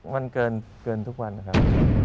มันเกินทุกวันนะครับ